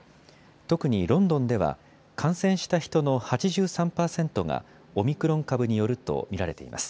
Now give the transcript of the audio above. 特にロンドンでは感染した人の８３％がオミクロン株によると見られています。